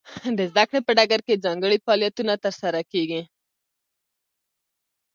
د زده کړې په ډګر کې ځانګړي فعالیتونه ترسره کیږي.